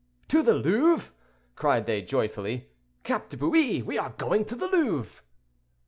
"To the Louvre!" cried they, joyfully. "Cap de Bious! we are going to the Louvre."